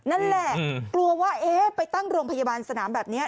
นั่นแหละกลัวว่าเอ๊ะไปตั้งโรงพยาบาลสนามแบบนี้